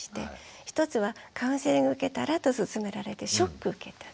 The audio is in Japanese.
１つはカウンセリングを受けたらと勧められてショック受けた。